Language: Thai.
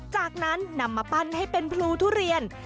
จากนั้นนำมาปั้นให้เป็นพลูทุเรียน